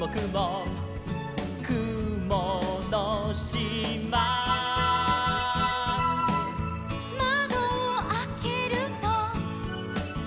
「くものしま」「まどをあけると」